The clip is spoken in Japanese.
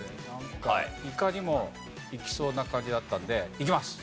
いかにもいきそうな感じだったんでいきます。